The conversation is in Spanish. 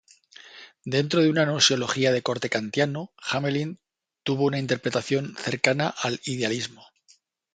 Dentro de una gnoseología de corte kantiano, Hamelin tuvo una interpretación cercana al idealismo.